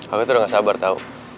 aku tuh udah gak sabar tahu